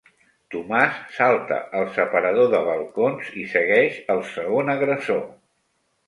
Tomàs salta el separador de balcons i segueix el segon agressor.